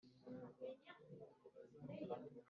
bityo urusheho kurukunda no kurukundisha abandi.